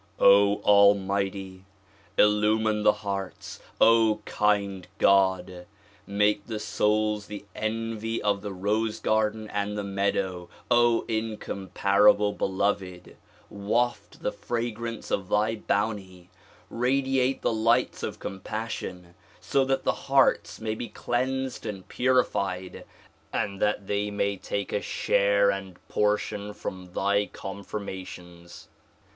Almighty! Illumine the hearts. kind God! Make the souls the envy of the rose garden and the meadow. O incomparable beloved ! Waft the fragrance of thy bounty. Radi ate the lights of compassion so that the hearts may be cleansed and purified and that they may take a share and portion from thy confirmations.